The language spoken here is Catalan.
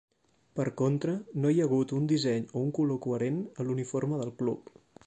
Per contra, no hi ha hagut un disseny o un color coherent a l"uniforme de club.